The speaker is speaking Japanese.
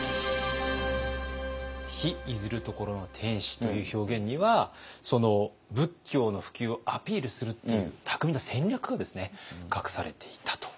「日出ずる処の天子」という表現には仏教の普及をアピールするっていう巧みな戦略が隠されていたと。